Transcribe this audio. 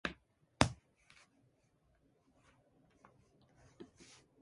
He had an awkward crouched stance, gripping the bat low on the handle.